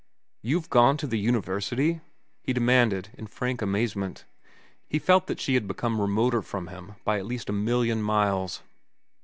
"You've gone to the university?" he demanded in frank amazement. He felt that she had become remoter from him by at least a million miles.